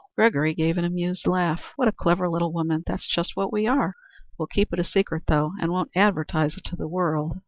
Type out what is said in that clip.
Gregory gave an amused laugh. "What a clever little woman! That's just what we are. We'll keep it a secret, though, and won't advertise it to the world."